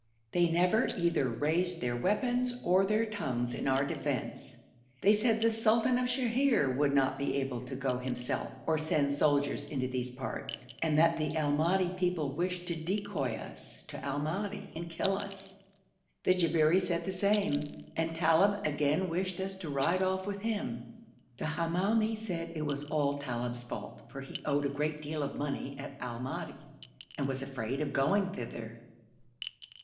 They never either raised their weapons or their tongues in our defence. They said the sultan of Sheher would not be able to go himself or send soldiers into these parts, and that the Al Madi people wished to decoy us to Al Madi and kill us. The Jabberi said the same, and Talib again wished us to ride off with him. The Hamoumi said it was all Talib's fault, for he owed a great deal of money at Al Madi, and was afraid of going thither.